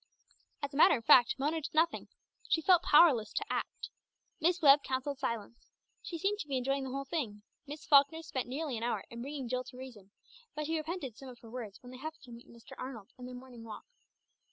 As a matter of fact Mona did nothing. She felt powerless to act. Miss Webb counselled silence. She seemed to be enjoying the whole thing; Miss Falkner spent nearly an hour in bringing Jill to reason, but she repented of some of her words when they happened to meet Mr. Arnold in their morning walk.